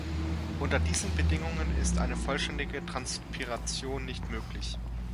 Unter diesen Bedingungen ist eine vollständige Transpiration nicht möglich.